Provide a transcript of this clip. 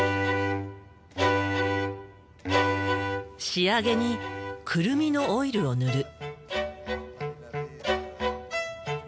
仕上げにクルミのオイルを塗る。